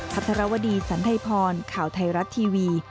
พัทรวดีสันไทยพรข่าวไทยรัฐทีวี